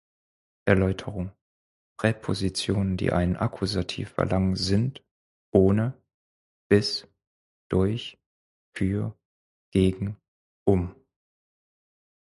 Erläuterung: Präpositionen, die einen Akkusativ verlangen, sind "ohne", "bis", "durch", "für", "gegen", "um".